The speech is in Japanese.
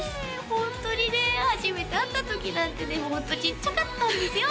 ホントにね初めて会った時なんてねホントちっちゃかったんですよ